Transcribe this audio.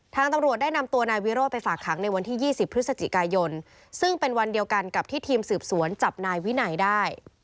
ตำรวจได้นำตัวนายวิโรธไปฝากขังในวันที่๒๐พฤศจิกายนซึ่งเป็นวันเดียวกันกับที่ทีมสืบสวนจับนายวินัยได้